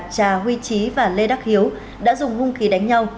cha huy trí và lê đắc hiếu đã dùng hung khí đánh nhau